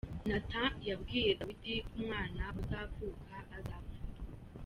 Nathan yabwiye Dawudi ko umwana uzavuka azapfa.